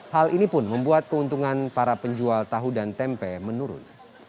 hal ini pun membuat keuntungan para penjual tahu dan tempe menurun